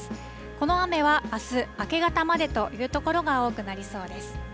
この雨は、あす明け方までという所が多くなりそうです。